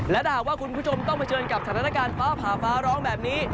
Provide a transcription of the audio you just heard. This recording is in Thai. และถ้าหากว่าคุณผู้ชมต้องเผชิญกับสถานการณ์ฟ้าผ่าฟ้าร้องแบบนี้